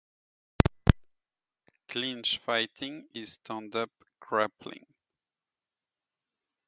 Clinch fighting is stand-up grappling.